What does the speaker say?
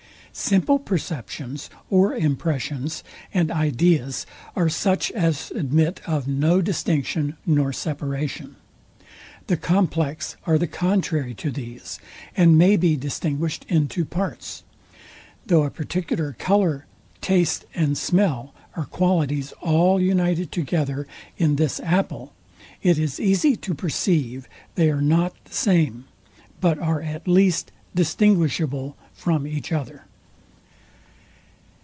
Simple perceptions or impressions and ideas are such as admit of no distinction nor separation. The complex are the contrary to these, and may be distinguished into parts. Though a particular colour, taste, and smell, are qualities all united together in this apple, it is easy to perceive they are not the same, but are at least distinguishable from each other.